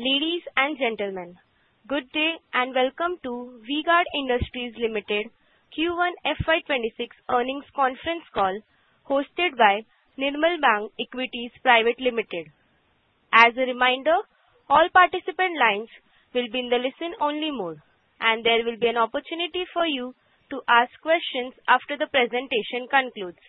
Ladies and gentlemen, good day and welcome to V-Guard Industries Limited Q1 FY 2026 Earnings Conference Call hosted by Nirmal Bang Equities Private Limited. As a reminder, all participant lines will be in the listen-only mode, and there will be an opportunity for you to ask questions after the presentation concludes.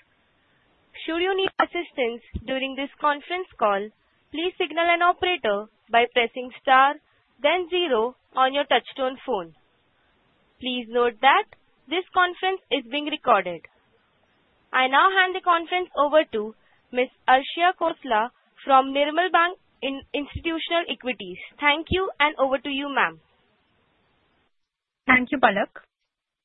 Should you need assistance during this conference call, please signal an operator by pressing star, then zero on your touch-tone phone. Please note that this conference is being recorded. I now hand the conference over to Ms. Arshia Khosla from Nirmal Bang Institutional Equities. Thank you, and over to you, ma'am. Thank you, Palak.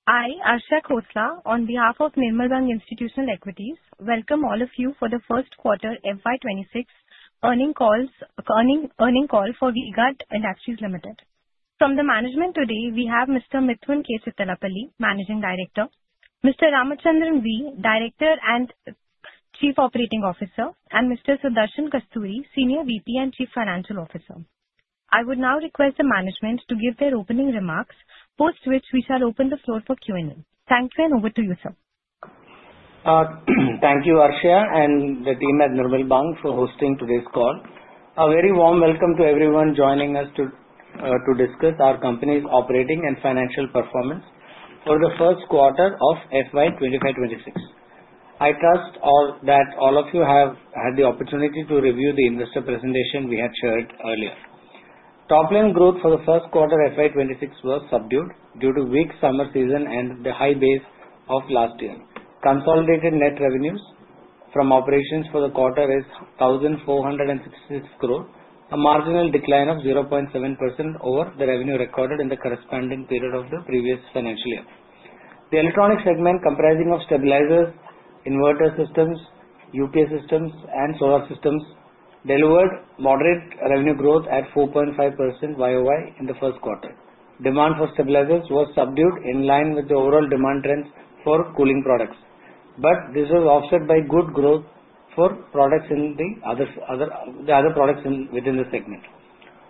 I, Arshia Khosla, on behalf of Nirmal Bang Institutional Equities, welcome all of you for the First Quarter FY 2026 Earnings Call for V-Guard Industries Limited. From the management today, we have Mr. Mithun K. Chittilappilly, Managing Director, Mr. Ramachandran V., Director and Chief Operating Officer, and Mr. Sudarshan Kasturi, Senior VP and Chief Financial Officer. I would now request the management to give their opening remarks, post which we shall open the floor for Q&A. Thank you, and over to you, sir. Thank you, Arshia, and the team at Nirmal Bang for hosting today's call. A very warm welcome to everyone joining us to discuss our company's operating and financial performance for the first quarter of FY 2026. I trust that all of you have had the opportunity to review the investor presentation we had shared earlier. Top-line growth for the first quarter FY 2026 was subdued due to the weak summer season and the high base of last year. Consolidated net revenues from operations for the quarter is 1,466 crore, a marginal decline of 0.7% over the revenue recorded in the corresponding period of the previous financial year. The electronic segment, comprising stabilizers, inverter systems, UPS systems, and solar systems, delivered moderate revenue growth at 4.5% YoY in the first quarter. Demand for stabilizers was subdued in line with the overall demand trends for cooling products, but this was offset by good growth for products in the other products within the segment.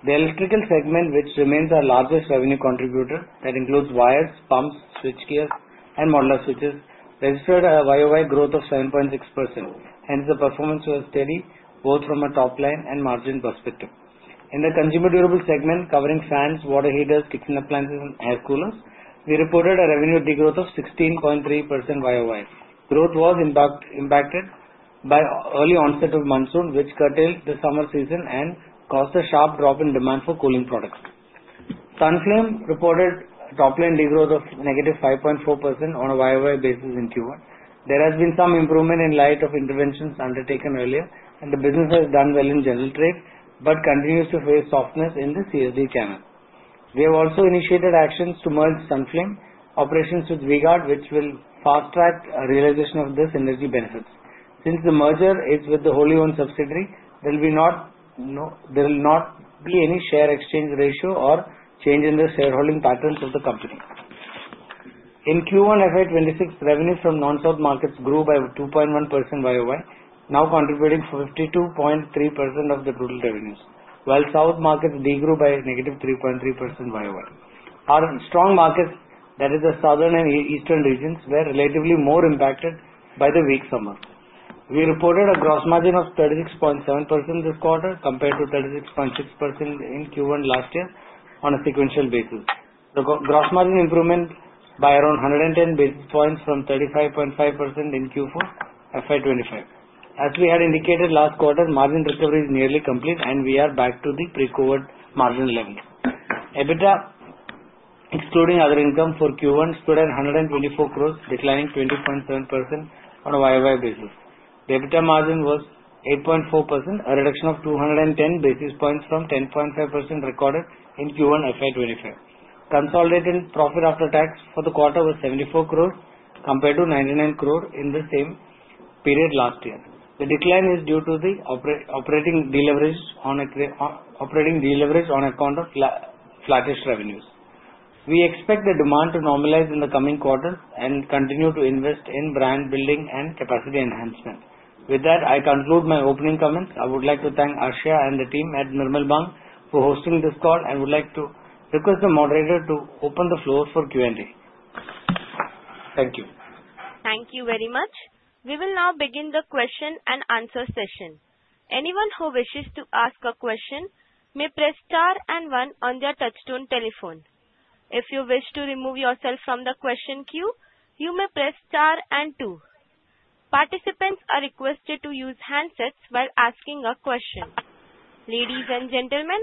The electrical segment, which remains our largest revenue contributor that includes wires, pumps, switchgears, and modular switches, registered a YoY growth of 7.6%. Hence, the performance was steady both from a top-line and margin perspective. In the consumer durables segment, covering fans, water heaters, kitchen appliances, and air coolers, we reported a revenue degrowth of 16.3% YoY. Growth was impacted by the early onset of monsoon, which curtailed the summer season and caused a sharp drop in demand for cooling products. Sunflame reported top-line degrowth of -5.4% on a YoY basis in Q1. There has been some improvement in light of interventions undertaken earlier, and the business has done well in general trade, but continues to face softness in the CSD channel. We have also initiated actions to merge Sunflame operations with V-Guard, which will fast-track the realization of these energy benefits. Since the merger is with the wholly-owned subsidiary, there will not be any share exchange ratio or change in the shareholding patterns of the company. In Q1 FY 2026, revenues from non-South markets grew by 2.1% YoY, now contributing 52.3% of the total revenues, while South markets degrew by -3.3% YoY. Our strong markets, that is, the Southern and Eastern regions, were relatively more impacted by the weak summer. We reported a gross margin of 36.7% this quarter compared to 36.6% in Q1 last year on a sequential basis. The gross margin improvement was by around 110 basis points from 35.5% in Q4 FY 2025. As we had indicated last quarter, margin recovery is nearly complete, and we are back to the pre-COVID margin level. EBITDA, excluding other income for Q1, stood at 124 crore, declining 20.7% on a YoY basis. The EBITDA margin was 8.4%, a reduction of 210 basis points from 10.5% recorded in Q1 FY 2025. Consolidated profit after tax for the quarter was 74 crore, compared to 99 crore in the same period last year. The decline is due to the operating de-leveraging on account of flattish revenues. We expect the demand to normalize in the coming quarter and continue to invest in brand building and capacity enhancement. With that, I conclude my opening comments. I would like to thank Arshia and the team at Nirmal Bang for hosting this call and would like to request the moderator to open the floor for Q&A. Thank you. Thank you very much. We will now begin the question-and-answer session. Anyone who wishes to ask a question may press star and one on their touch-tone telephone. If you wish to remove yourself from the question queue, you may press star and two. Participants are requested to use handsets while asking a question. Ladies and gentlemen,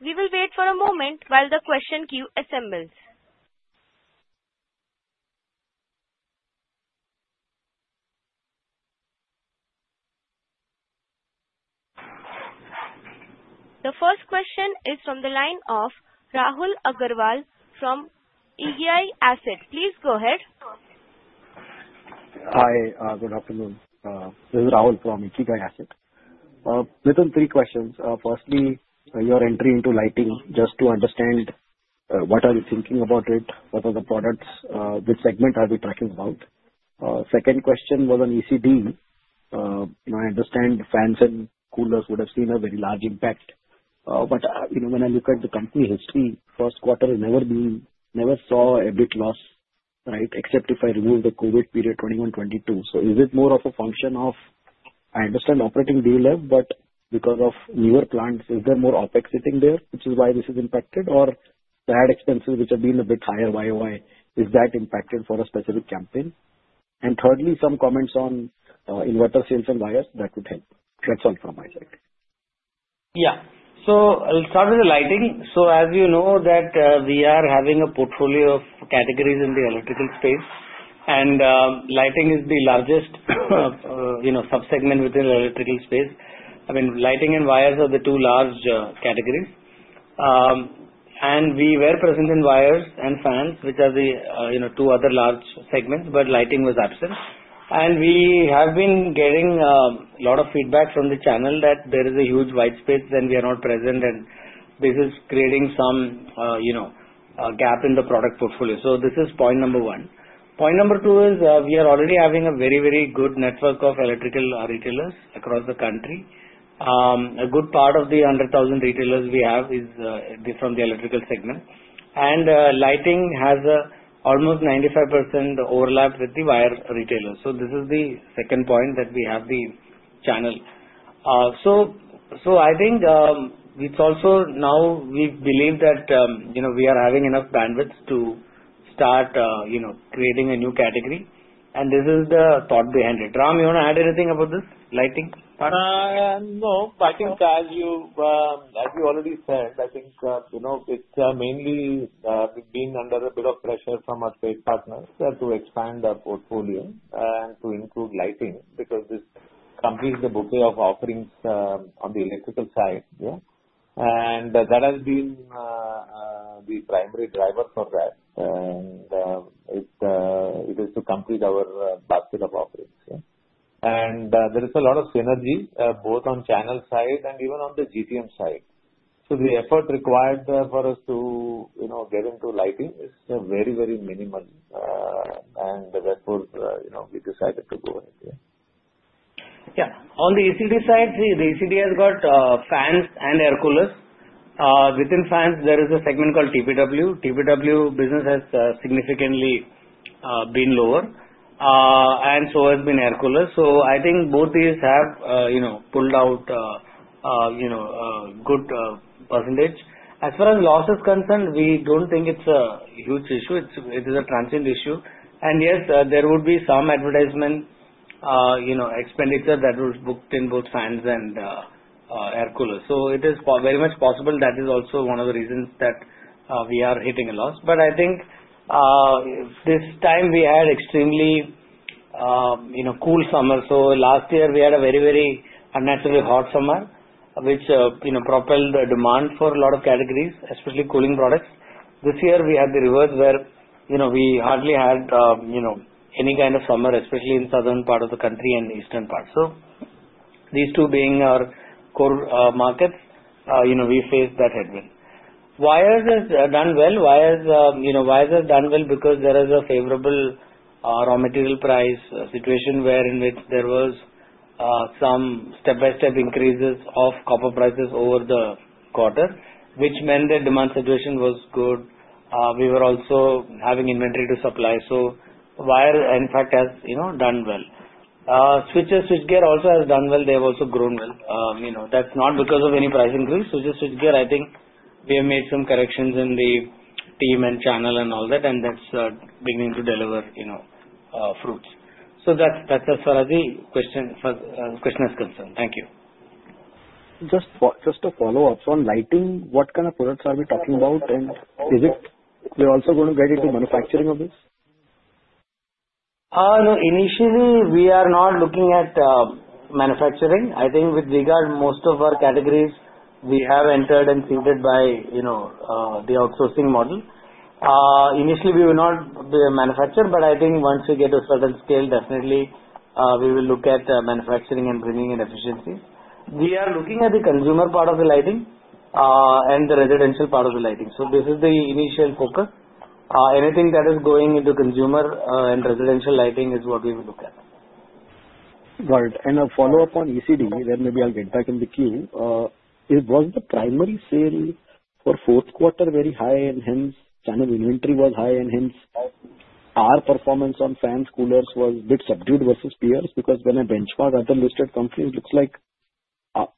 we will wait for a moment while the question queue assembles. The first question is from the line of Rahul Agarwal from Ikigai Asset. Please go ahead. Hi, good afternoon. This is Rahul from Ikigai Asset. I have three questions. Firstly, your entry into lighting, just to understand what are you thinking about it, what are the products, which segment are we talking about? Second question was on ECD. I understand fans and coolers would have seen a very large impact. But when I look at the company history, first quarter never saw a big loss, right, except if I remove the COVID period 2021, 2022. So is it more of a function of, I understand operating leverage, but because of newer plants, is there more OpEx sitting there, which is why this is impacted, or the added expenses, which have been a bit higher YoY, is that impacted for a specific campaign? And thirdly, some comments on inverter sales and wires, that would help. That's all from my side. Yeah. So I'll start with the lighting. So as you know, we are having a portfolio of categories in the electrical space, and lighting is the largest subsegment within the electrical space. I mean, lighting and wires are the two large categories. And we were present in wires and fans, which are the two other large segments, but lighting was absent. And we have been getting a lot of feedback from the channel that there is a huge white space, then we are not present, and this is creating some gap in the product portfolio. So this is point number one. Point number two is we are already having a very, very good network of electrical retailers across the country. A good part of the 100,000 retailers we have is from the electrical segment. And lighting has almost 95% overlap with the wire retailers. So this is the second point that we have the channel. So I think it's also now we believe that we are having enough bandwidth to start creating a new category, and this is the thought behind it. Ram, you want to add anything about this lighting part? No. I think, as you already said, I think it's mainly been under a bit of pressure from our trade partners to expand our portfolio and to include lighting because this completes the bouquet of offerings on the electrical side. And that has been the primary driver for that, and it is to complete our basket of offerings. And there is a lot of synergy both on the channel side and even on the GTM side. So the effort required for us to get into lighting is very, very minimal, and therefore we decided to go ahead. Yeah. On the ECD side, the ECD has got fans and air coolers. Within fans, there is a segment called TPW. TPW business has significantly been lower, and so has been air coolers. So I think both these have pulled out a good percentage. As far as loss is concerned, we don't think it's a huge issue. It is a transient issue. And yes, there would be some advertisement expenditure that was booked in both fans and air coolers. So it is very much possible that is also one of the reasons that we are hitting a loss. But I think this time we had an extremely cool summer. So last year, we had a very, very unnaturally hot summer, which propelled the demand for a lot of categories, especially cooling products. This year, we had the reverse where we hardly had any kind of summer, especially in the southern part of the country and eastern part. So these two being our core markets, we faced that headwind. Wires has done well. Wires has done well because there is a favorable raw material price situation wherein there was some step-by-step increases of copper prices over the quarter, which meant the demand situation was good. We were also having inventory to supply. So wire, in fact, has done well. Switches, switchgear also has done well. They have also grown well. That's not because of any price increase. Switches, switchgear, I think we have made some corrections in the team and channel and all that, and that's beginning to deliver fruits. So that's as far as the question is concerned. Thank you. Just a follow-up on lighting. What kind of products are we talking about? And is it we're also going to get into manufacturing of this? No, initially, we are not looking at manufacturing. I think with V-Guard, most of our categories we have entered and seeded by the outsourcing model. Initially, we will not manufacture, but I think once we get to a certain scale, definitely we will look at manufacturing and bringing in efficiencies. We are looking at the consumer part of the lighting and the residential part of the lighting. So this is the initial focus. Anything that is going into consumer and residential lighting is what we will look at. Got it, and a follow-up on ECD, then maybe I'll get back in the queue. Was the primary sale for fourth quarter very high, and hence channel inventory was high, and hence our performance on fans, coolers was a bit subdued versus peers? Because when I benchmark other listed companies, it looks like our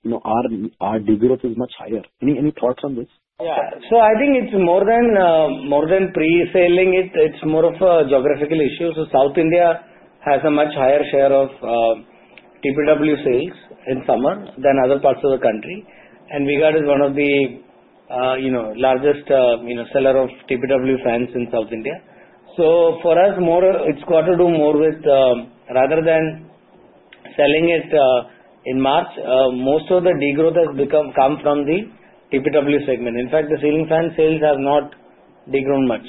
degrowth is much higher. Any thoughts on this? Yeah. So I think it's more than pre-selling. It's more of a geographical issue. So South India has a much higher share of TPW sales in summer than other parts of the country. And V-Guard is one of the largest sellers of TPW fans in South India. So for us, it's got to do more with rather than selling it in March. Most of the degrowth has come from the TPW segment. In fact, the ceiling fan sales have not degrown much.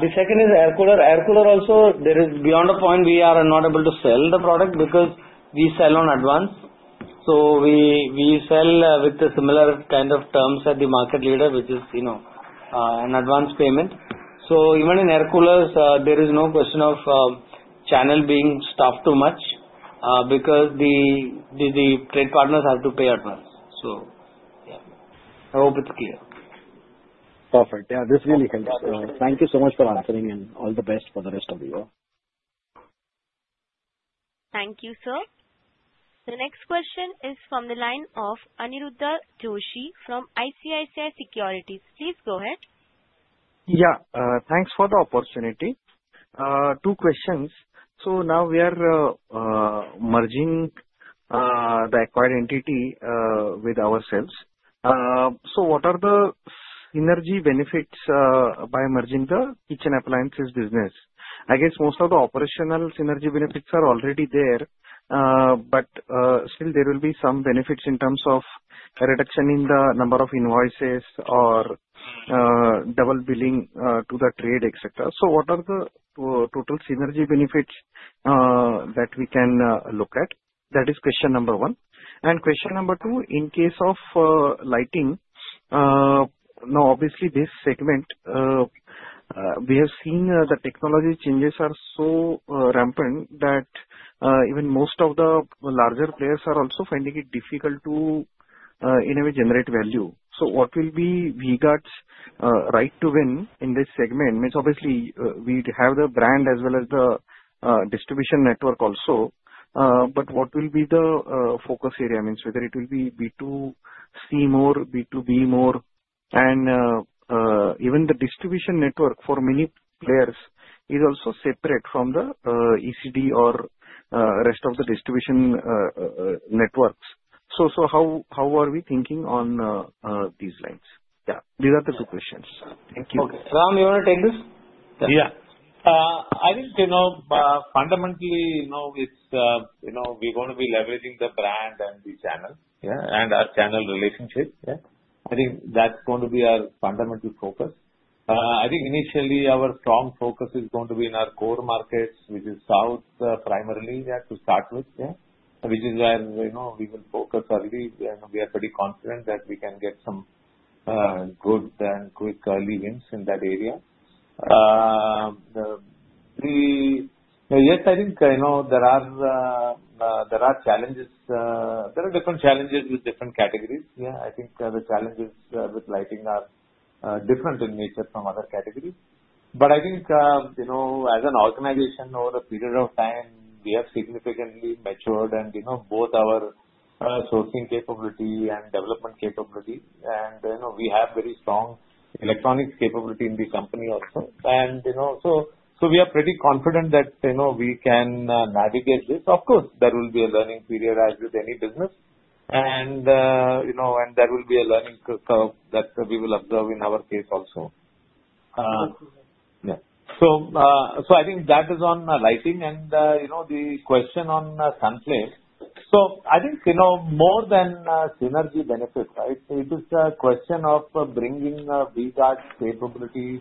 The second is air cooler. Air cooler also, there is beyond a point we are not able to sell the product because we sell on advance. So we sell with the similar kind of terms at the market leader, which is an advance payment. So even in air coolers, there is no question of channel being stuffed too much because the trade partners have to pay advance. So yeah, I hope it's clear. Perfect. Yeah, this really helps. Thank you so much for answering, and all the best for the rest of the year. Thank you, sir. The next question is from the line of Aniruddha Joshi from ICICI Securities. Please go ahead. Yeah. Thanks for the opportunity. Two questions. So now we are merging the acquired entity with ourselves. So what are the synergy benefits by merging the kitchen appliances business? I guess most of the operational synergy benefits are already there, but still there will be some benefits in terms of reduction in the number of invoices or double billing to the trade, etc. So what are the total synergy benefits that we can look at? That is question number one. And question number two, in case of lighting, now obviously this segment, we have seen the technology changes are so rampant that even most of the larger players are also finding it difficult to generate value. So what will be V-Guard's right to win in this segment? Obviously, we have the brand as well as the distribution network also. But what will be the focus area? Whether it will be B2C more, B2B more, and even the distribution network for many players is also separate from the ECD or rest of the distribution networks. So how are we thinking on these lines? Yeah. These are the two questions. Thank you. Okay. Ram, you want to take this? Yeah. I think fundamentally, we're going to be leveraging the brand and the channel and our channel relationship. I think that's going to be our fundamental focus. I think initially, our strong focus is going to be in our core markets, which is South primarily to start with, which is where we will focus early. We are pretty confident that we can get some good and quick early wins in that area. Yes, I think there are challenges. There are different challenges with different categories. Yeah, I think the challenges with lighting are different in nature from other categories, but I think as an organization, over a period of time, we have significantly matured and both our sourcing capability and development capability, and we have very strong electronics capability in the company also, and so we are pretty confident that we can navigate this. Of course, there will be a learning period as with any business, and there will be a learning curve that we will observe in our case also. Yeah. So I think that is on lighting and the question on Sunflame. So I think more than synergy benefit, right, it is a question of bringing V-Guard's capability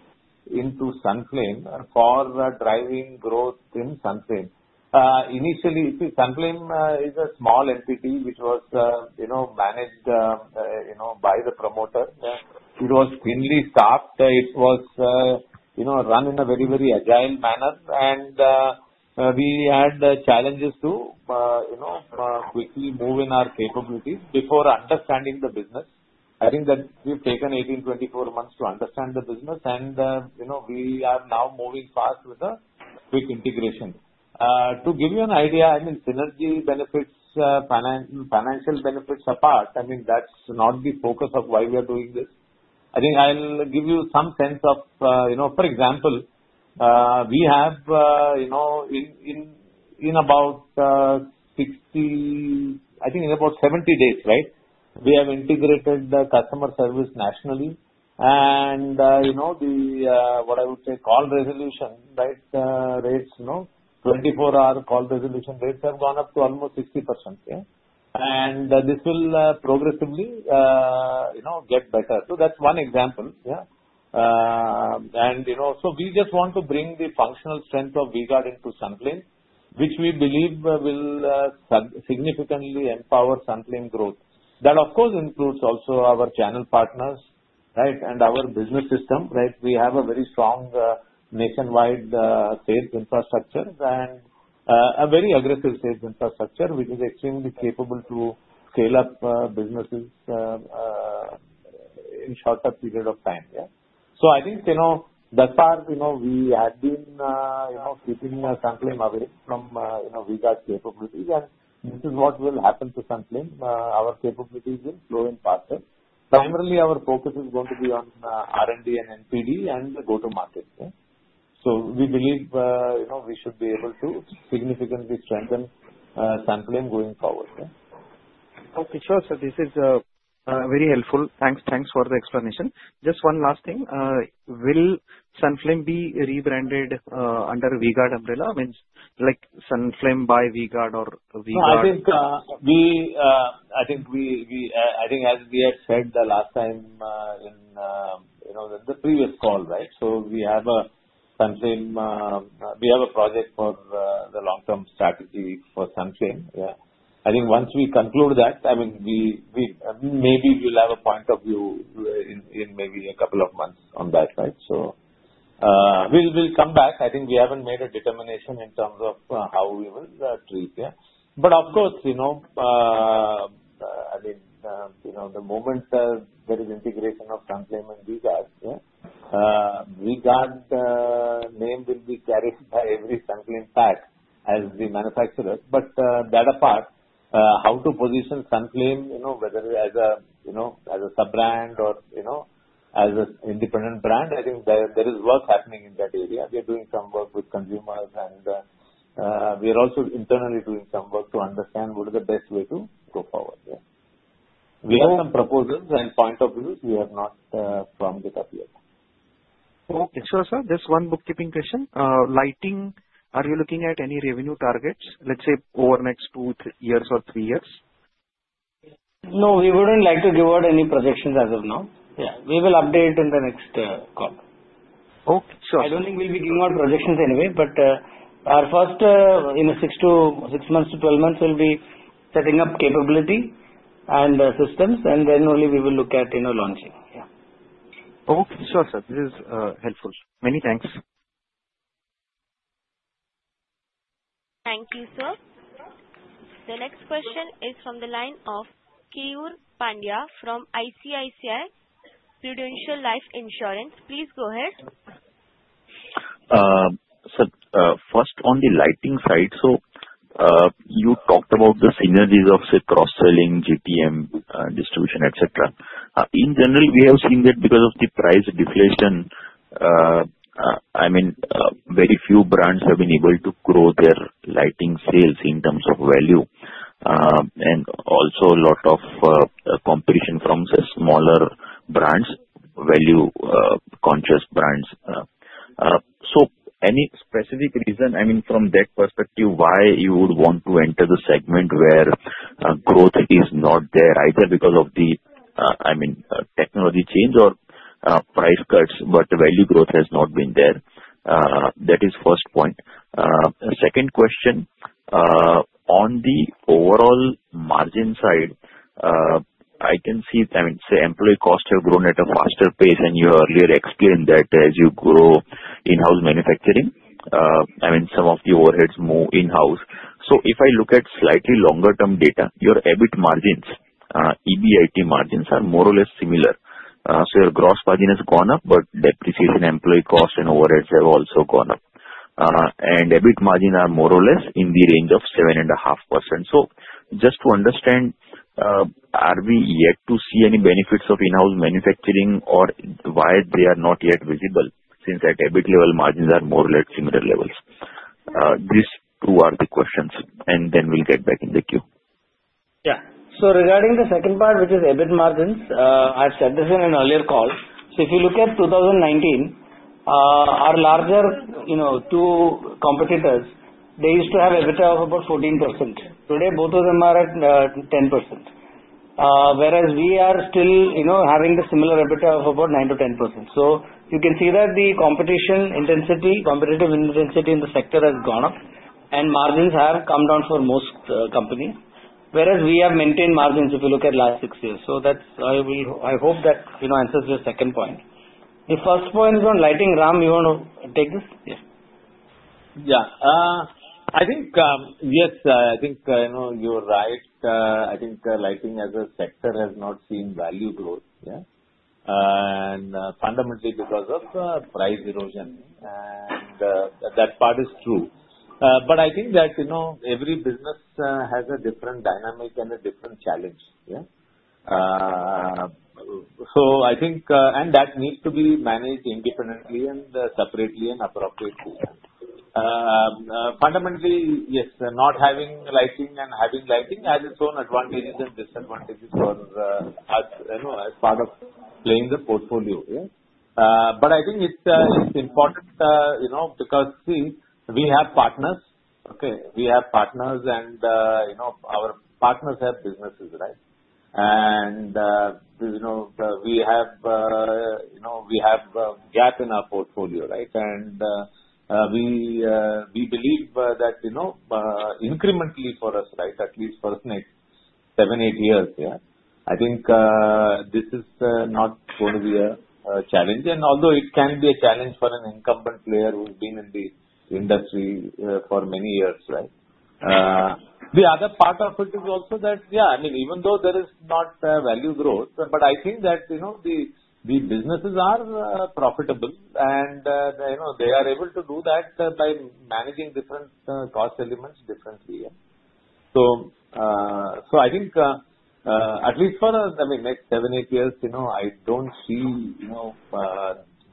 into Sunflame for driving growth in Sunflame. Initially, Sunflame is a small entity which was managed by the promoter. It was cleanly staffed. It was run in a very, very agile manner. And we had challenges to quickly move in our capabilities before understanding the business. I think that we've taken 18 months-24 months to understand the business, and we are now moving fast with a quick integration. To give you an idea, I mean, synergy benefits, financial benefits apart, I mean, that's not the focus of why we are doing this. I think I'll give you some sense of, for example, we have in about 60, I think in about 70 days, right, we have integrated the customer service nationally. And what I would say call resolution, right, rates, 24-hour call resolution rates have gone up to almost 60%. And this will progressively get better. So that's one example. Yeah. And so we just want to bring the functional strength of V-Guard into Sunflame, which we believe will significantly empower Sunflame growth. That, of course, includes also our channel partners, right, and our business system, right? We have a very strong nationwide sales infrastructure and a very aggressive sales infrastructure, which is extremely capable to scale up businesses in a short period of time. Yeah. So I think thus far, we have been keeping Sunflame away from V-Guard's capabilities, and this is what will happen to Sunflame. Our capabilities will grow in partners. Primarily, our focus is going to be on R&D and NPD and the go-to-market. So we believe we should be able to significantly strengthen Sunflame going forward. Okay. Sure. So this is very helpful. Thanks for the explanation. Just one last thing. Will Sunflame be rebranded under V-Guard umbrella? I mean, like Sunflame by V-Guard or V-Guard? I think as we had said the last time in the previous call, right, so we have Sunflame, we have a project for the long-term strategy for Sunflame. Yeah. I think once we conclude that, I mean, maybe we'll have a point of view in maybe a couple of months on that, right? So we'll come back. I think we haven't made a determination in terms of how we will treat. Yeah. But of course, I mean, the moment there is integration of Sunflame and V-Guard, yeah, V-Guard name will be carried by every Sunflame pack as the manufacturer. But that apart, how to position Sunflame, whether as a sub-brand or as an independent brand, I think there is work happening in that area. They're doing some work with consumers, and we are also internally doing some work to understand what is the best way to go forward. Yeah. We have some proposals and point of views. We have not plumbed it up yet. Okay. Sure, sir. Just one bookkeeping question. Lighting, are you looking at any revenue targets, let's say over the next two years or three years? No, we wouldn't like to give out any projections as of now. Yeah. We will update in the next call. Okay. Sure. I don't think we'll be giving out projections anyway, but our first in 6 months-12 months will be setting up capability and systems, and then only we will look at launching. Yeah. Okay. Sure, sir. This is helpful. Many thanks. Thank you, sir. The next question is from the line of Keyur Pandya from ICICI Prudential Life Insurance. Please go ahead. Sir, first on the lighting side, so you talked about the synergies of cross-selling, GTM distribution, etc. In general, we have seen that because of the price deflation, I mean, very few brands have been able to grow their lighting sales in terms of value, and also a lot of competition from smaller brands, value-conscious brands. So any specific reason, I mean, from that perspective, why you would want to enter the segment where growth is not there either because of the, I mean, technology change or price cuts, but the value growth has not been there? That is first point. Second question, on the overall margin side, I can see, I mean, say employee costs have grown at a faster pace, and you earlier explained that as you grow in-house manufacturing, I mean, some of the overheads move in-house. So if I look at slightly longer-term data, your EBIT margins, EBIT margins are more or less similar. So your gross margin has gone up, but depreciation, employee cost, and overheads have also gone up. And EBIT margins are more or less in the range of 7.5%. So just to understand, are we yet to see any benefits of in-house manufacturing, or why they are not yet visible since at EBIT level, margins are more or less similar levels? These two are the questions, and then we'll get back in the queue. Yeah. So regarding the second part, which is EBIT margins, I've said this in an earlier call. So if you look at 2019, our larger two competitors, they used to have EBITDA of about 14%. Today, both of them are at 10%, whereas we are still having the similar EBITDA of about 9%-10%. So you can see that the competition intensity, competitive intensity in the sector has gone up, and margins have come down for most companies, whereas we have maintained margins if you look at the last six years. So I hope that answers your second point. The first point is on lighting. Ram, you want to take this? Yeah. Yeah. I think, yes, I think you're right. I think lighting as a sector has not seen value growth, yeah, and fundamentally because of price erosion. And that part is true. But I think that every business has a different dynamic and a different challenge. Yeah. So I think, and that needs to be managed independently and separately and appropriately. Fundamentally, yes, not having lighting and having lighting has its own advantages and disadvantages for us as part of playing the portfolio. Yeah. But I think it's important because, see, we have partners, okay? We have partners, and our partners have businesses, right? And we have a gap in our portfolio, right? And we believe that incrementally for us, right, at least for the next seven, eight years, yeah, I think this is not going to be a challenge. Although it can be a challenge for an incumbent player who's been in the industry for many years, right? The other part of it is also that, yeah, I mean, even though there is not value growth, but I think that the businesses are profitable, and they are able to do that by managing different cost elements differently. Yeah. I think at least for the next seven, eight years, I don't see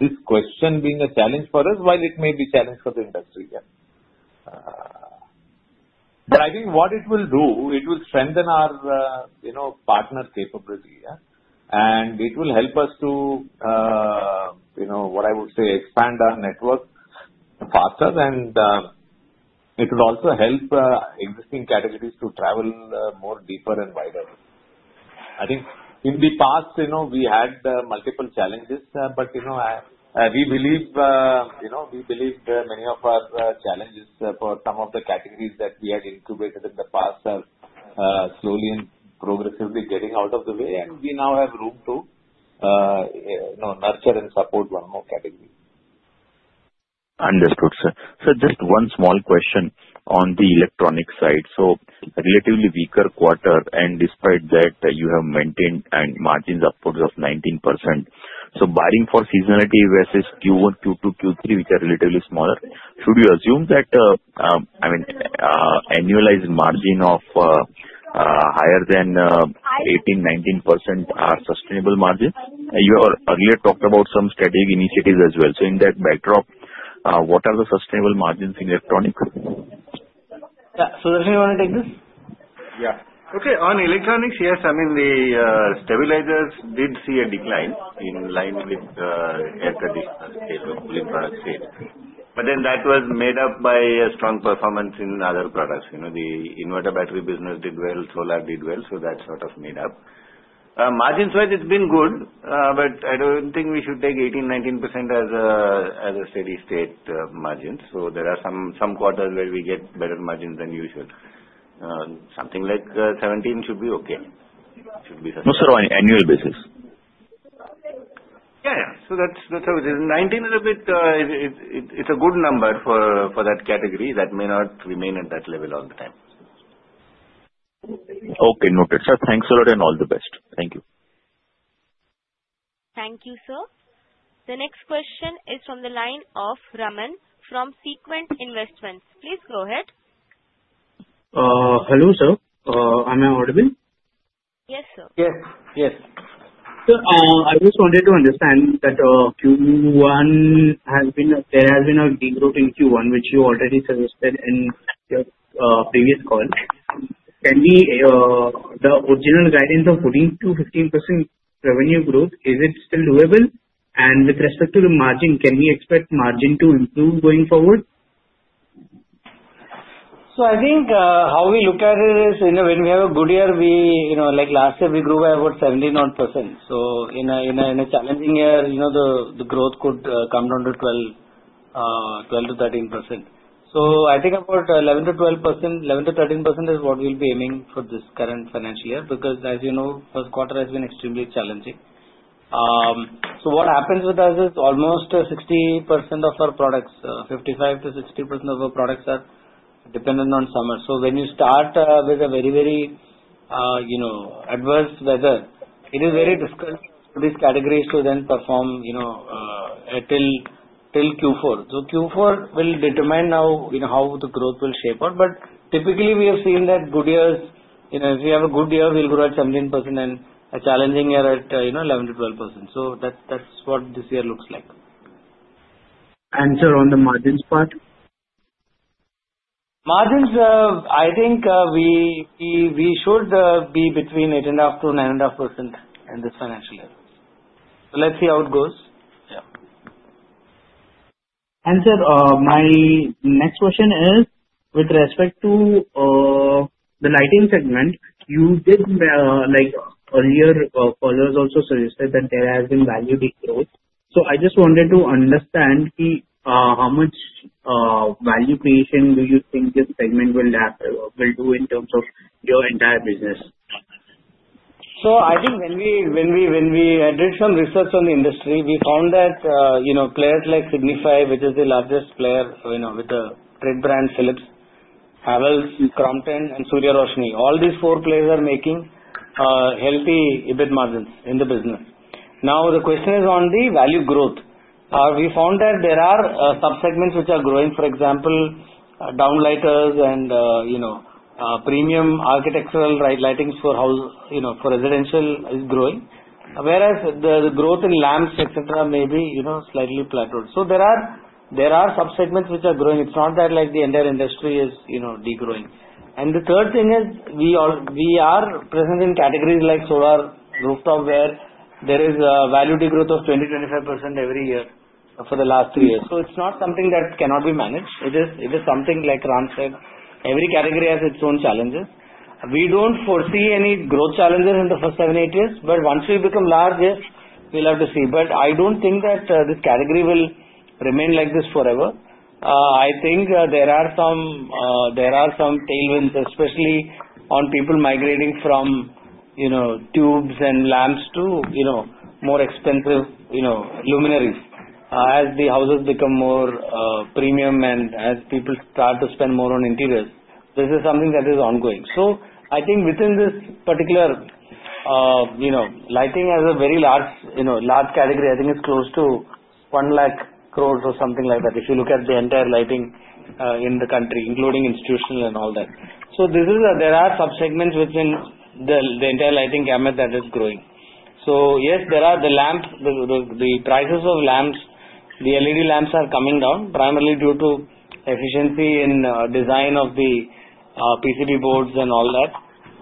this question being a challenge for us, while it may be a challenge for the industry. Yeah. I think what it will do, it will strengthen our partner capability. Yeah. It will help us to, what I would say, expand our network faster, and it will also help existing categories to travel more deeper and wider. I think in the past, we had multiple challenges, but we believe many of our challenges for some of the categories that we had incubated in the past are slowly and progressively getting out of the way, and we now have room to nurture and support one more category. Understood, sir. Sir, just one small question on the electronics side. A relatively weaker quarter, and despite that, you have maintained margins upwards of 19%. So buying for seasonality versus Q1, Q2, Q3, which are relatively smaller, should you assume that, I mean, annualized margin of higher than 18%-19% are sustainable margins? You earlier talked about some strategic initiatives as well. So in that backdrop, what are the sustainable margins in electronics? Yeah, so, Sudarshan, you want to take this? Yeah. Okay. On electronics, yes. I mean, the stabilizers did see a decline in line with the traditional seasonal pull in product sales. But then that was made up by strong performance in other products. The inverter battery business did well, solar did well, so that sort of made up. Margins-wise, it's been good, but I don't think we should take 18%-19% as a steady-state margin. So there are some quarters where we get better margins than usual. Something like 17% should be okay. Should be sustainable. No, sir, on annual basis. Yeah. Yeah. So that's how it is. 19% is a bit. It's a good number for that category. That may not remain at that level all the time. Okay. Noted. Sir, thanks a lot, and all the best. Thank you. Thank you, sir. The next question is from the line of Raman from Sequent Investments. Please go ahead. Hello, sir. Am I audible? Yes, sir. Yes. Yes. Sir, I just wanted to understand that there has been a degrowth in Q1, which you already suggested in your previous call. The original guidance of putting to 15% revenue growth, is it still doable? And with respect to the margin, can we expect margin to improve going forward? I think how we look at it is when we have a good year, like last year, we grew by about 17%. So in a challenging year, the growth could come down to 12%-13%. So I think about 11%-12%, 11%-13% is what we'll be aiming for this current financial year because, as you know, first quarter has been extremely challenging. So what happens with us is almost 60% of our products, 55%-60% of our products are dependent on summer. So when you start with a very, very adverse weather, it is very difficult for these categories to then perform till Q4. So Q4 will determine now how the growth will shape out. But typically, we have seen that good years, if you have a good year, we'll grow at 17%, and a challenging year at 11%-12%. So that's what this year looks like. Sir, on the margins part? Margins, I think we should be between 8.5%-9.5% in this financial year. So let's see how it goes. Yeah. Sir, my next question is with respect to the lighting segment. You did, like earlier followers also suggested, that there has been value degrowth. So I just wanted to understand how much value creation do you think this segment will do in terms of your entire business? So I think when we did some research on the industry, we found that players like Signify, which is the largest player with the trade brand Philips, Havells, Crompton, and Surya Roshni, all these four players are making healthy EBIT margins in the business. Now, the question is on the value growth. We found that there are subsegments which are growing, for example, downlighters and premium architectural lighting for residential is growing, whereas the growth in lamps, etc., may be slightly plateaued. So there are subsegments which are growing. It's not that the entire industry is degrowing. And the third thing is we are present in categories like solar, rooftop, where there is a value degrowth of 20%-25% every year for the last three years. So it's not something that cannot be managed. It is something like Ram said, every category has its own challenges. We don't foresee any growth challenges in the first seven, eight years, but once we become larger, we'll have to see. But I don't think that this category will remain like this forever. I think there are some tailwinds, especially on people migrating from tubes and lamps to more expensive luminaires as the houses become more premium and as people start to spend more on interiors. This is something that is ongoing. So I think within this particular lighting as a very large category, I think it's close to 100,000 crores or something like that if you look at the entire lighting in the country, including institutional and all that. So there are subsegments within the entire lighting gamut that is growing. Yes, there are the lamps, the prices of lamps, the LED lamps are coming down primarily due to efficiency in design of the PCB boards and all that.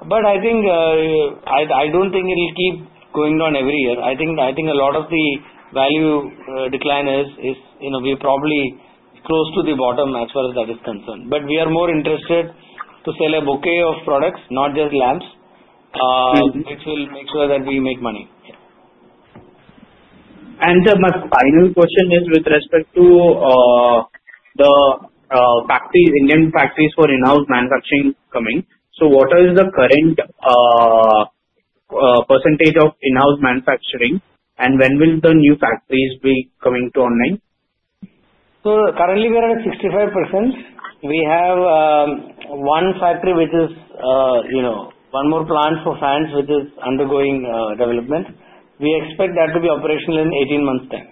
But I don't think it'll keep going down every year. I think a lot of the value decline is. We're probably close to the bottom as far as that is concerned. But we are more interested to sell a bouquet of products, not just lamps, which will make sure that we make money. Sir, my final question is with respect to the Indian factories for in-house manufacturing coming. What is the current percentage of in-house manufacturing, and when will the new factories be coming online? Currently, we are at 65%. We have one factory, which is one more plant for fans, which is undergoing development. We expect that to be operational in 18 months' time.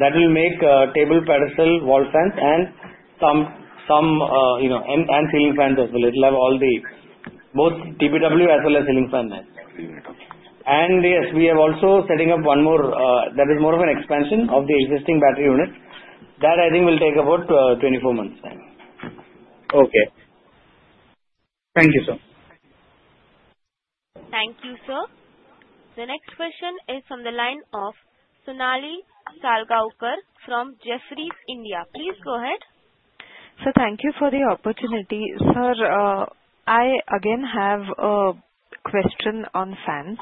That will make table, pedestal, wall fans, and some ceiling fans as well. It'll have all the both TPW as well as ceiling fan lines. Yes, we are also setting up one more that is more of an expansion of the existing battery unit. That I think will take about 24 months' time. Okay. Thank you, sir. Thank you, sir. The next question is from the line of Sonali Salgaonkar from Jefferies India. Please go ahead. Sir, thank you for the opportunity. Sir, I again have a question on fans.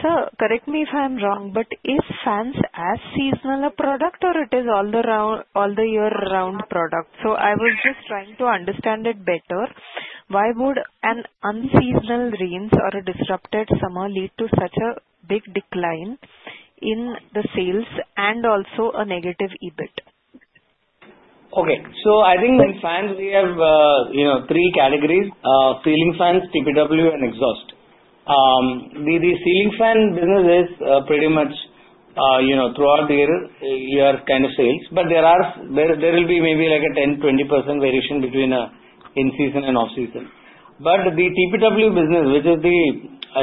Sir, correct me if I'm wrong, but is fans a seasonal product or it is all-year-round product? So I was just trying to understand it better. Why would an unseasonal rains or a disrupted summer lead to such a big decline in the sales and also a negative EBIT? Okay, so I think in fans, we have three categories: ceiling fans, TPW, and exhaust. The ceiling fan business is pretty much throughout the year, you have kind of sales, but there will be maybe like a 10%-20% variation between in-season and off-season, but the TPW business, which is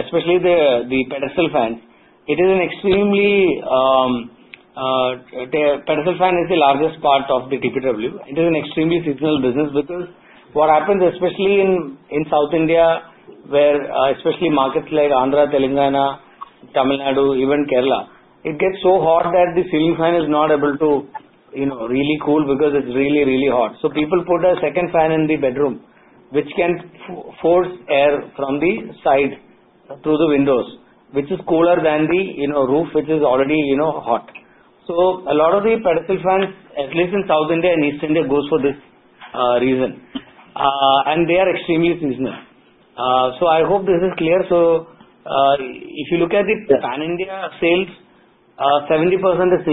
especially the pedestal fans, the pedestal fan is the largest part of the TPW. It is an extremely seasonal business because what happens, especially in South India, where especially markets like Andhra, Telangana, Tamil Nadu, even Kerala, it gets so hot that the ceiling fan is not able to really cool because it's really, really hot, so people put a second fan in the bedroom, which can force air from the side through the windows, which is cooler than the roof, which is already hot. So a lot of the pedestal fans, at least in South India and East India, goes for this reason. And they are extremely seasonal. So I hope this is clear. So if you look at the pan-India sales, 70% is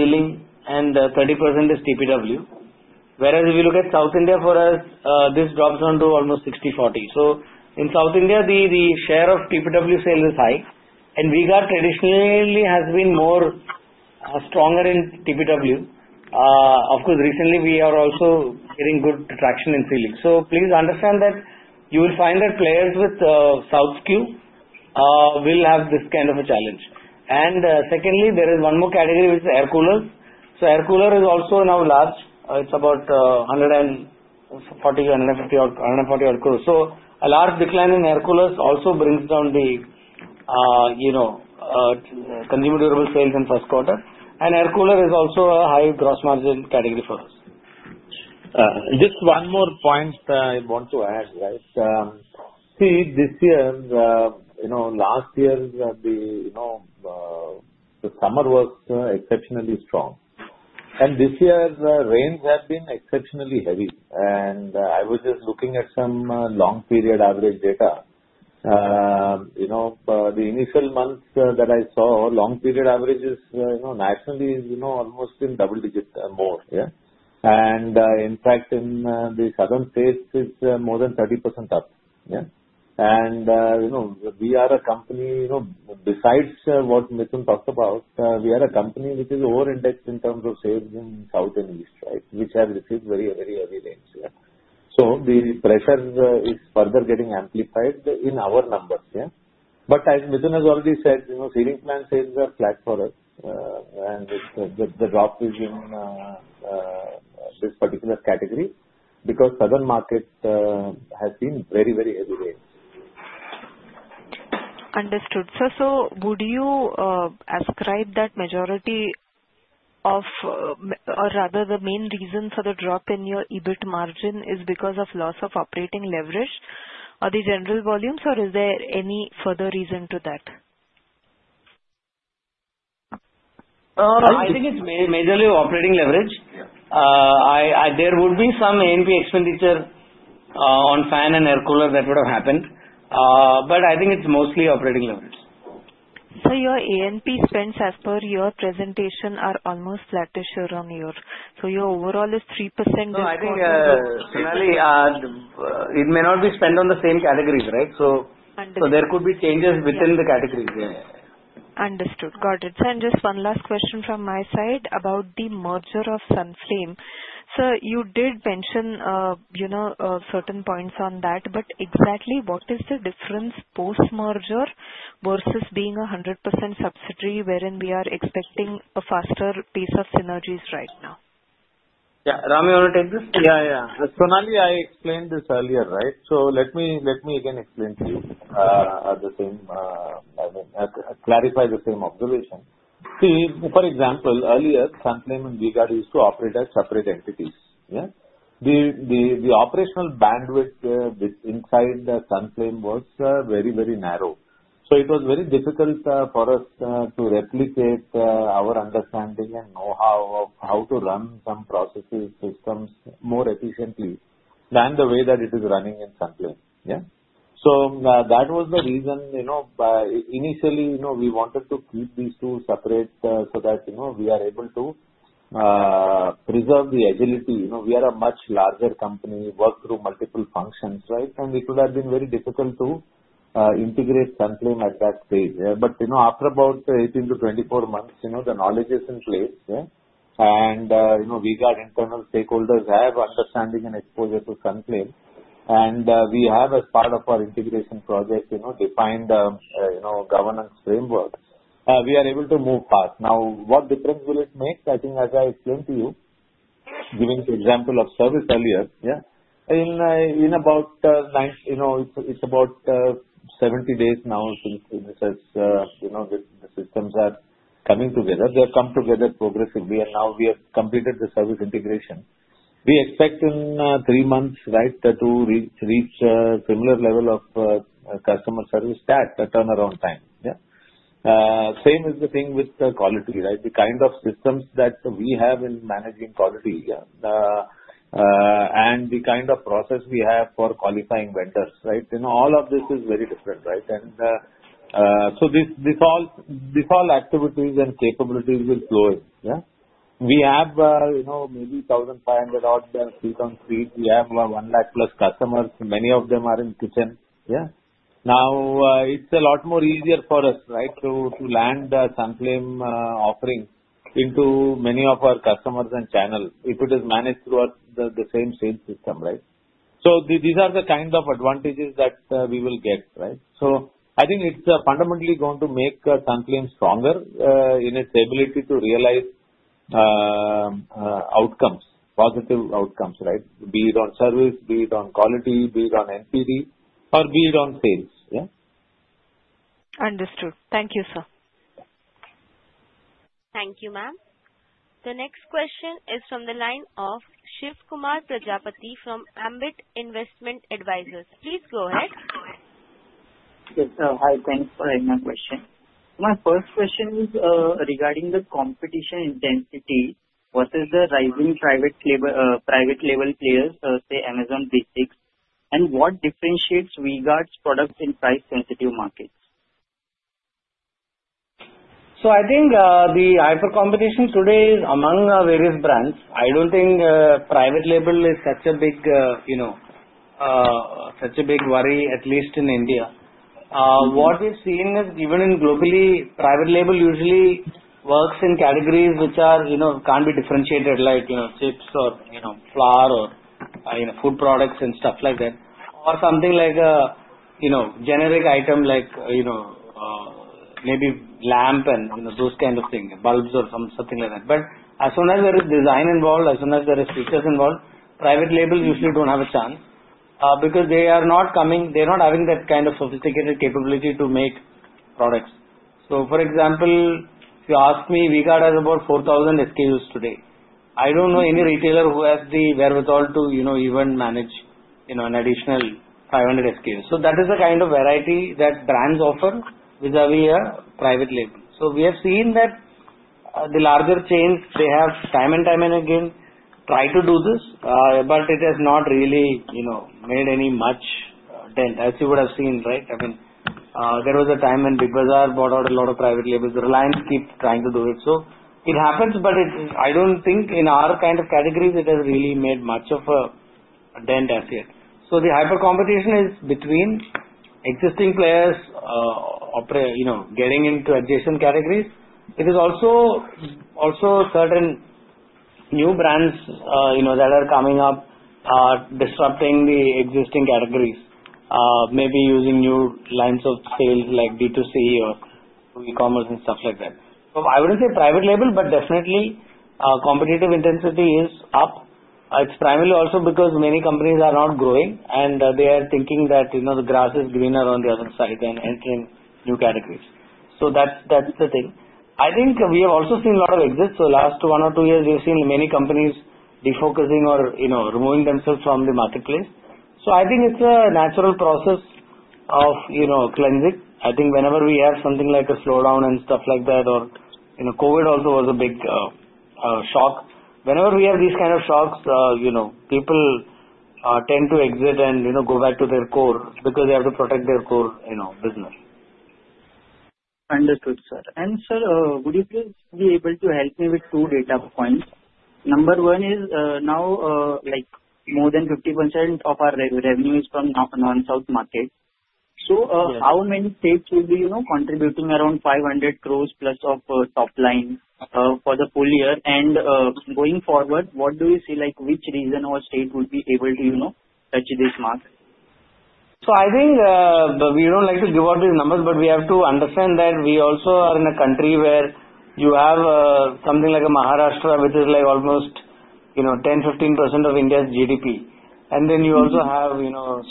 ceiling and 30% is TPW. Whereas if you look at South India for us, this drops down to almost 60/40. So in South India, the share of TPW sales is high. And V-Guard traditionally has been stronger in TPW. Of course, recently, we are also getting good traction in ceiling. So please understand that you will find that players with SouthQ will have this kind of a challenge. And secondly, there is one more category, which is air coolers. So air cooler is also now large. It's about 140, 150, 140 air coolers. So a large decline in air coolers also brings down the consumer durable sales in first quarter. And air cooler is also a high gross margin category for us. Just one more point I want to add, guys. See, this year, last year, the summer was exceptionally strong. And this year, rains have been exceptionally heavy. And I was just looking at some long-period average data. The initial months that I saw, long-period averages nationally is almost in double digit more. Yeah. And in fact, in the southern states, it's more than 30% up. Yeah. And we are a company, besides what Mithun talked about, we are a company which is over-indexed in terms of sales in South and East, right, which have received very, very heavy rains. Yeah. So the pressure is further getting amplified in our numbers. Yeah. But as Mithun has already said, ceiling fan sales are flat for us. And the drop is in this particular category because southern markets have seen very, very heavy rains. Understood. Sir, so would you ascribe that majority of or rather the main reason for the drop in your EBIT margin is because of loss of operating leverage or the general volumes, or is there any further reason to that? I think it's majorly operating leverage. There would be some A&P expenditure on fan and air cooler that would have happened. But I think it's mostly operating leverage. Sir, your A&P spends as per your presentation are almost flatish year-on-year. So your overall is 3%. No, I think, Sonali, it may not be spent on the same categories, right? So there could be changes within the categories. Understood. Got it. And just one last question from my side about the merger of Sunflame. Sir, you did mention certain points on that. But exactly what is the difference post-merger versus being a 100% subsidiary wherein we are expecting a faster pace of synergies right now? Yeah. Ram, you want to take this? Yeah. Yeah. Sonali, I explained this earlier, right? So let me again explain to you the same, I mean, clarify the same observation. See, for example, earlier, Sunflame and V-Guard used to operate as separate entities. Yeah. The operational bandwidth inside Sunflame was very, very narrow. So it was very difficult for us to replicate our understanding and know-how of how to run some processes, systems more efficiently than the way that it is running in Sunflame. Yeah. So that was the reason. Initially, we wanted to keep these two separate so that we are able to preserve the agility. We are a much larger company, work through multiple functions, right? And it would have been very difficult to integrate Sunflame at that stage. But after about 18 months-24 months, the knowledge is in place. Yeah. V-Guard internal stakeholders have understanding and exposure to Sunflame. We have, as part of our integration project, defined governance framework. We are able to move fast. Now, what difference will it make? I think, as I explained to you, giving the example of service earlier, yeah, in about 90, it's about 70 days now since the systems are coming together. They have come together progressively, and now we have completed the service integration. We expect in three months, right, to reach a similar level of customer service stack, turnaround time. Yeah. Same is the thing with the quality, right? The kind of systems that we have in managing quality, yeah, and the kind of process we have for qualifying vendors, right? All of this is very different, right? And so these all activities and capabilities will flow. Yeah. We have maybe 1,500-odd sq ft. We have 1 lakh+ customers. Many of them are in the kitchen. Yeah. Now, it's a lot more easier for us, right, to land Sunflame offering into many of our customers and channels if it is managed through the same system, right? So these are the kind of advantages that we will get, right? So I think it's fundamentally going to make Sunflame stronger in its ability to realize outcomes, positive outcomes, right? Be it on service, be it on quality, be it on NPD, or be it on sales. Yeah. Understood. Thank you, sir. Thank you, ma'am. The next question is from the line of Shivkumar Prajapati from Ambit Investment Advisors. Please go ahead. Yes, sir. Hi. Thanks for my question. My first question is regarding the competition intensity. What is the rising private label players, say, Amazon Basics, and what differentiates V-Guard's products in price-sensitive markets? So I think the hyper-competition today is among various brands. I don't think private label is such a big worry, at least in India. What we've seen is, even globally, private label usually works in categories which can't be differentiated, like chips or flour or food products and stuff like that, or something like a generic item like maybe lamp and those kind of things, bulbs or something like that. But as soon as there is design involved, as soon as there are features involved, private labels usually don't have a chance because they are not having that kind of sophisticated capability to make products. So, for example, if you ask me, V-Guard has about 4,000 SKUs today. I don't know any retailer who has the wherewithal to even manage an additional 500 SKUs. So that is the kind of variety that brands offer vis-à-vis a private label. So we have seen that the larger chains, they have time and time and again tried to do this, but it has not really made any much dent as you would have seen, right? I mean, there was a time when Big Bazaar bought out a lot of private labels. Reliance keeps trying to do it. So it happens, but I don't think in our kind of categories, it has really made much of a dent as yet. So the hyper-competition is between existing players getting into adjacent categories. It is also certain new brands that are coming up are disrupting the existing categories, maybe using new lines of sales like B2C or e-commerce and stuff like that. So I wouldn't say private label, but definitely competitive intensity is up. It's primarily also because many companies are not growing, and they are thinking that the grass is greener on the other side and entering new categories. So that's the thing. I think we have also seen a lot of exits. So last one or two years, we've seen many companies defocusing or removing themselves from the marketplace. So I think it's a natural process of cleansing. I think whenever we have something like a slowdown and stuff like that, or COVID also was a big shock. Whenever we have these kind of shocks, people tend to exit and go back to their core because they have to protect their core business. Understood, sir. And sir, would you please be able to help me with two data points? One is now more than 50% of our revenue is from the non-south market. So how many states will be contributing around 500 crores+ of top line for the full year? And going forward, what do you see which region or state would be able to touch this mark? So I think we don't like to give out these numbers, but we have to understand that we also are in a country where you have something like Maharashtra, which is almost 10%-15% of India's GDP. And then you also have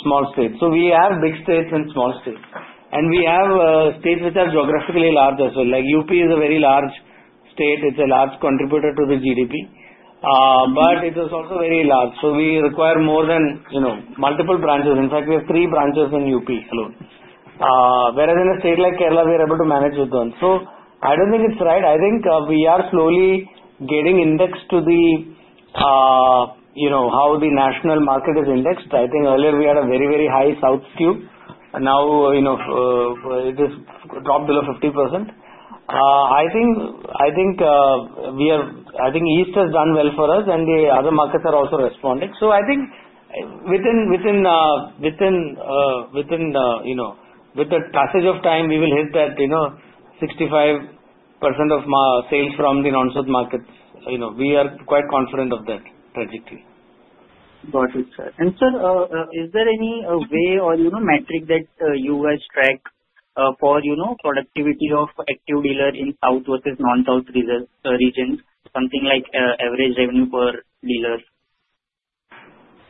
small states. So we have big states and small states. And we have states which are geographically large as well. Like UP is a very large state. It's a large contributor to the GDP. But it is also very large. So we require more than multiple branches. In fact, we have three branches in UP alone. Whereas in a state like Kerala, we are able to manage with one. So I don't think it's right. I think we are slowly getting indexed to how the national market is indexed. I think earlier we had a very, very high SouthQ. Now it has dropped below 50%. I think East has done well for us, and the other markets are also responding, so I think within the passage of time, we will hit that 65% of sales from the non-south markets. We are quite confident of that trajectory. Got it, sir. And sir, is there any way or metric that you guys track for productivity of active dealer in South versus non-South regions, something like average revenue per dealer?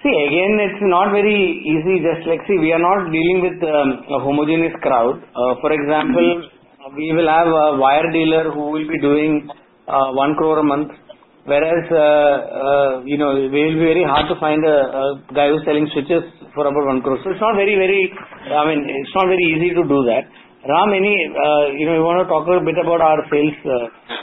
See, again, it's not very easy. Just like, we are not dealing with a homogeneous crowd. For example, we will have a wire dealer who will be doing 1 crore a month, whereas it will be very hard to find a guy who's selling switches for about 1 crore. So it's not very, very. I mean, it's not very easy to do that. Ram, anything you want to talk a bit about our sales?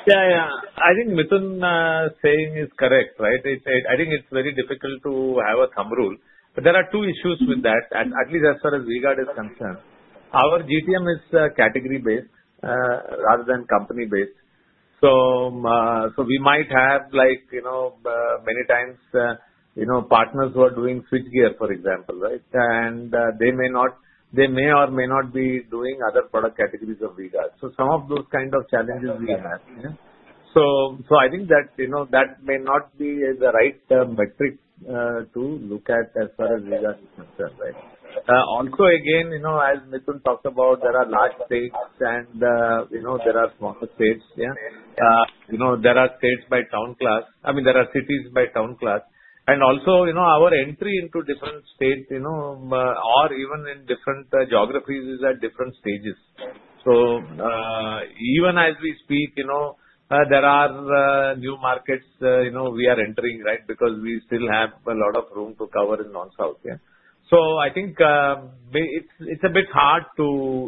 Yeah. Yeah. I think Mithun's saying is correct, right? I think it's very difficult to have a thumb rule. But there are two issues with that, at least as far as V-Guard is concerned. Our GTM is category-based rather than company-based. So we might have many times partners who are doing switchgear, for example, right? And they may or may not be doing other product categories of V-Guard. So some of those kind of challenges we have. Yeah. So I think that may not be the right metric to look at as far as V-Guard is concerned, right? Also, again, as Mithun talked about, there are large states, and there are smaller states. Yeah. There are states by town class. I mean, there are cities by town class. And also, our entry into different states or even in different geographies is at different stages. So even as we speak, there are new markets we are entering, right, because we still have a lot of room to cover in non-south. Yeah. So I think it's a bit hard to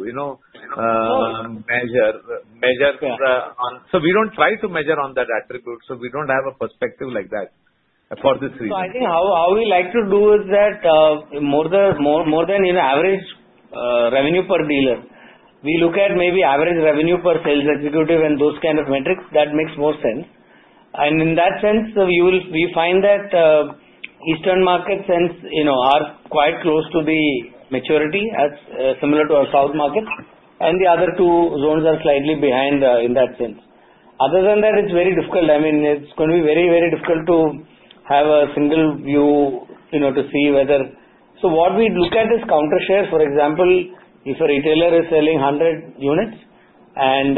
measure. So we don't try to measure on that attribute. So we don't have a perspective like that for this reason. So I think how we like to do is that more than average revenue per dealer, we look at maybe average revenue per sales executive and those kind of metrics. That makes more sense. And in that sense, we find that eastern markets are quite close to the maturity, similar to our south market. And the other two zones are slightly behind in that sense. Other than that, it's very difficult. I mean, it's going to be very, very difficult to have a single view to see whether. So what we look at is counter shares. For example, if a retailer is selling 100 units and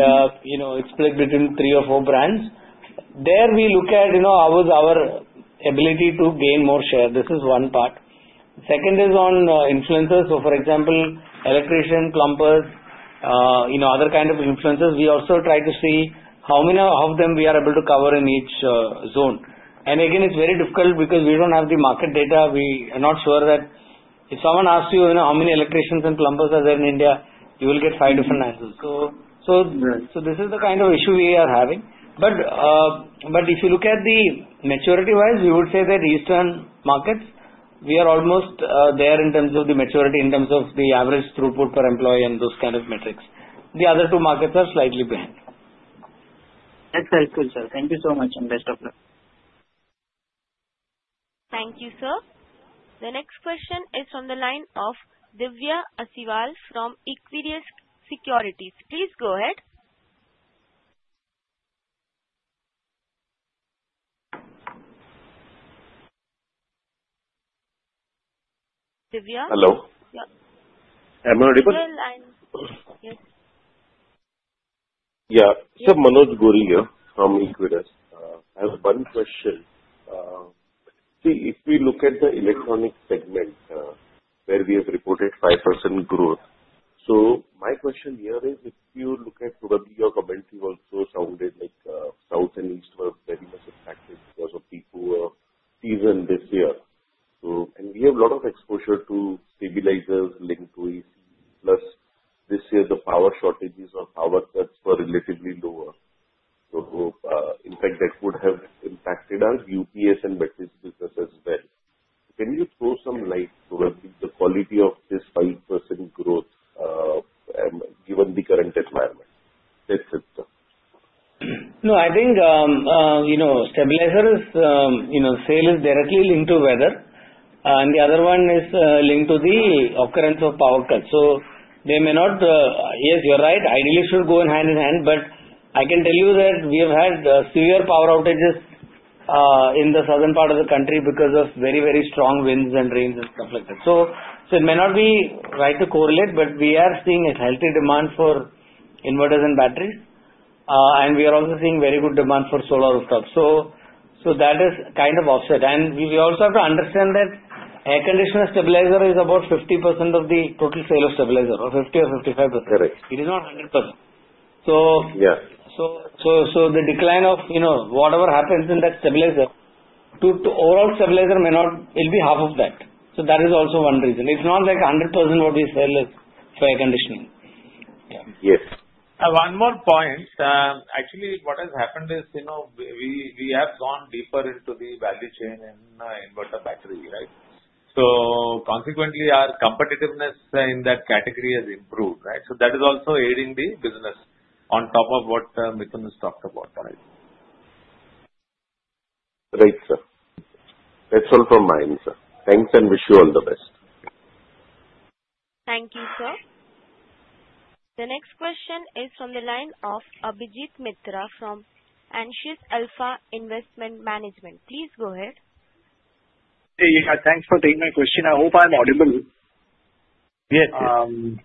it's split between three or four brands, there we look at how is our ability to gain more share. This is one part. Second is on influencers. So for example, electricians, plumbers, other kind of influencers. We also try to see how many of them we are able to cover in each zone. And again, it's very difficult because we don't have the market data. We are not sure that if someone asks you how many electricians and plumbers are there in India, you will get five different answers. So this is the kind of issue we are having. But if you look at the maturity-wise, we would say that eastern markets, we are almost there in terms of the maturity, in terms of the average throughput per employee and those kind of metrics. The other two markets are slightly behind. That's helpful, sir. Thank you so much and best of luck. Thank you, sir. The next question is from the line of Divya Asiwal from Equirus Securities. Please go ahead. Divya? Hello. Yeah. Am I audible? Yes. Yeah. So, Manoj Gori from Equirus. I have one question. See, if we look at the Electronics segment where we have reported 5% growth, so my question here is if you look at probably your comment, you also sounded like South and East were very much impacted because of people who are seasoned this year. And we have a lot of exposure to stabilizers linked to AC, plus this year the power shortages or power cuts were relatively lower. So in fact, that would have impacted our UPS and battery business as well. Can you throw some light probably on the quality of this 5% growth given the current environment? That's it, sir. No, I think stabilizer sale is directly linked to weather. And the other one is linked to the occurrence of power cuts. So they may not. Yes, you're right. Ideally, it should go hand in hand. But I can tell you that we have had severe power outages in the southern part of the country because of very, very strong winds and rains and stuff like that. So it may not be right to correlate, but we are seeing a healthy demand for inverters and batteries. And we are also seeing very good demand for solar rooftops. So that is kind of offset. And we also have to understand that air conditioner stabilizer is about 50% of the total sale of stabilizer, or 50 or 55%. Correct. It is not 100%. So the decline of whatever happens in that stabilizer overall, stabilizer may not. It'll be half of that. So that is also one reason. It's not like 100% what we sell for air conditioning. Yes. One more point. Actually, what has happened is we have gone deeper into the value chain in inverter battery, right? So consequently, our competitiveness in that category has improved, right? So that is also aiding the business on top of what Mithun has talked about. Right, sir. That's all from my end, sir. Thanks and wish you all the best. Thank you, sir. The next question is from the line of Abhijit Mitra from Aionios Alpha Investment Management. Please go ahead. Hey, yeah, thanks for taking my question. I hope I'm audible? Yes,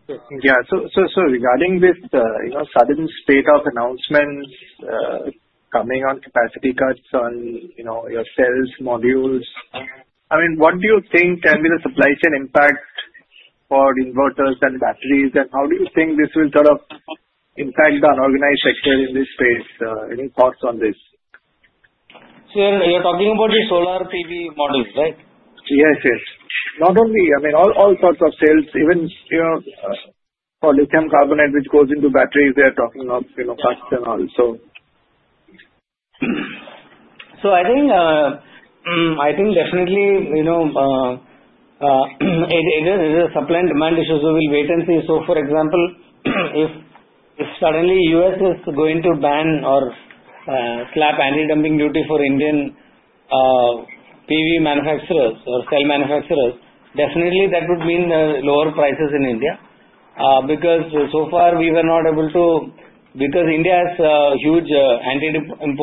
yes. Yeah, so regarding this sudden spate of announcements coming on capacity cuts on your cells, modules, I mean, what do you think can be the supply chain impact for inverters and batteries? And how do you think this will sort of impact the unorganized sector in this space? Any thoughts on this? So you're talking about the solar PV modules, right? Yes, yes. Not only, I mean, all sorts of sales, even for lithium carbonate, which goes into batteries, we are talking of cuts and all, so. So I think definitely it is a supply and demand issue. So we'll wait and see. So for example, if suddenly U.S. is going to ban or slap anti-dumping duty for Indian PV manufacturers or cell manufacturers, definitely that would mean lower prices in India. Because so far, we were not able to because India has a huge anti-dumping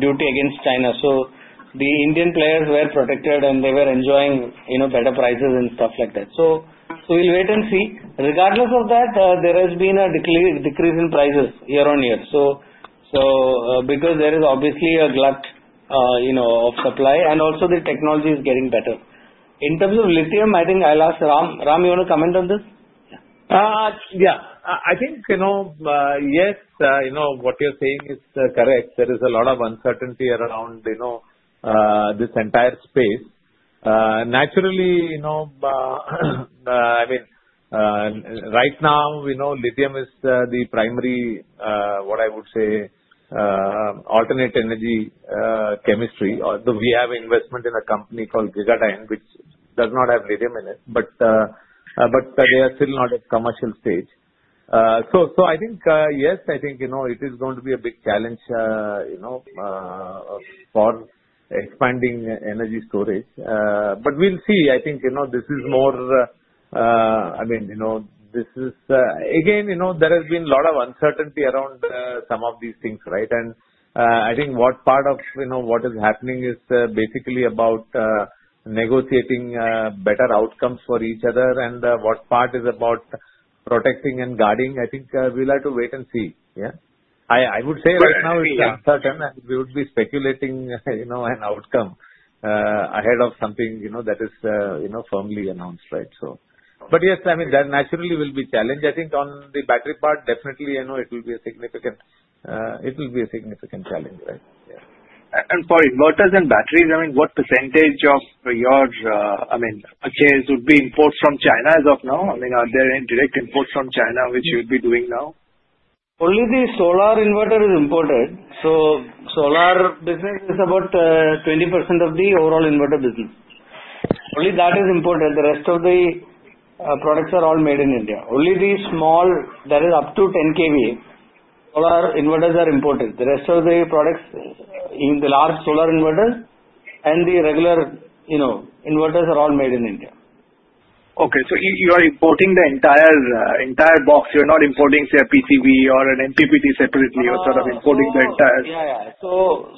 duty against China. So the Indian players were protected, and they were enjoying better prices and stuff like that. So we'll wait and see. Regardless of that, there has been a decrease in prices year on year. So because there is obviously a glut of supply, and also the technology is getting better. In terms of lithium, I think I'll ask Ram. Ram, you want to comment on this? Yeah. I think yes, what you're saying is correct. There is a lot of uncertainty around this entire space. Naturally, I mean, right now, lithium is the primary, what I would say, alternate energy chemistry. Although we have investment in a company called Gegadyne, which does not have lithium in it, but they are still not at commercial stage. So I think, yes, I think it is going to be a big challenge for expanding energy storage. But we'll see. I think this is more I mean, this is again, there has been a lot of uncertainty around some of these things, right? And I think what part of what is happening is basically about negotiating better outcomes for each other. And what part is about protecting and guarding, I think we'll have to wait and see. Yeah. I would say right now it's uncertain, and we would be speculating an outcome ahead of something that is firmly announced, right? But yes, I mean, that naturally will be challenged. I think on the battery part, definitely it will be a significant challenge, right? And for inverters and batteries, I mean, what percentage of your I mean, purchase would be imports from China as of now? I mean, are there any direct imports from China which you would be doing now? Only the solar inverter is imported, so solar business is about 20% of the overall inverter business. Only that is imported. The rest of the products are all made in India. Only the small, that is, up to 10 kVA solar inverters are imported. The rest of the products, even the large solar inverters and the regular inverters are all made in India. Okay. You are importing the entire box. You're not importing say a PCB or an MPPT separately or sort of importing the entire. So,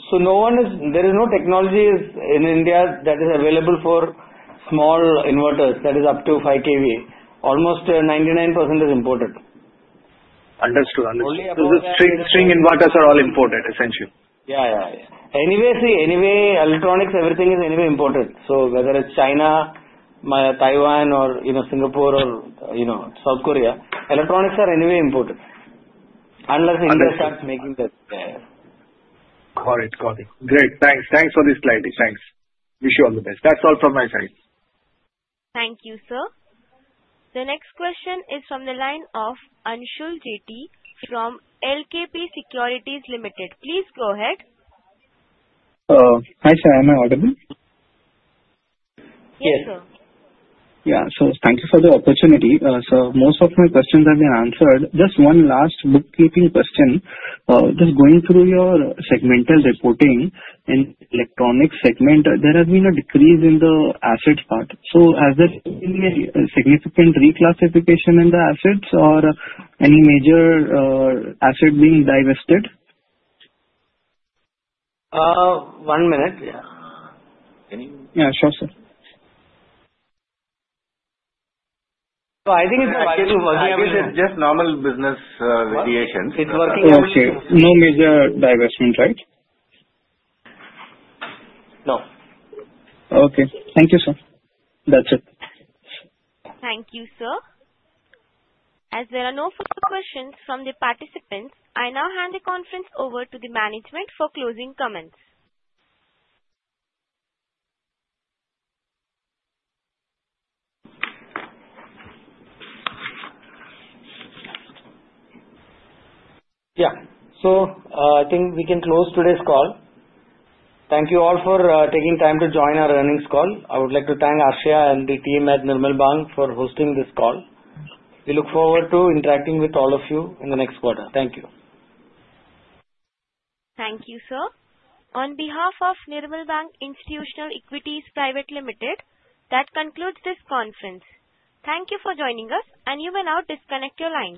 there is no technology in India that is available for small inverters that is up to 5 kVA. Almost 99% is imported. Understood. Understood. So the string inverters are all imported, essentially. Yeah, yeah, yeah. Anyway, see, anyway, electronics, everything is anyway imported. So whether it's China, Taiwan, or Singapore, or South Korea, electronics are anyway imported unless India starts making them. Got it. Got it. Great. Thanks. Thanks for this slide. Thanks. Wish you all the best. That's all from my side. Thank you, sir. The next question is from the line of Anshul Jethi from LKP Securities Limited. Please go ahead. Hi, sir. Am I audible? Yes, sir. Yeah. So thank you for the opportunity. So most of my questions have been answered. Just one last bookkeeping question. Just going through your segmental reporting in electronic segment, there has been a decrease in the asset part. So has there been any significant reclassification in the assets or any major asset being divested? One minute. Yeah. Yeah. Sure, sir. So I think it's working every day. It's just normal business variations. It's working every day. No major divestment, right? No. Okay. Thank you, sir. That's it. Thank you, sir. As there are no further questions from the participants, I now hand the conference over to the management for closing comments. Yeah. So I think we can close today's call. Thank you all for taking time to join our earnings call. I would like to thank Arshia and the team at Nirmal Bang for hosting this call. We look forward to interacting with all of you in the next quarter. Thank you. Thank you, sir. On behalf of Nirmal Bang Institutional Equities Private Limited, that concludes this conference. Thank you for joining us, and you may now disconnect your line.